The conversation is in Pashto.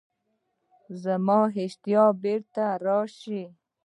ایا زما اشتها به بیرته راشي؟